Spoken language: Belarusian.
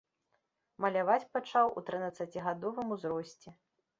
Маляваць пачаў у трынаццацігадовым узросце.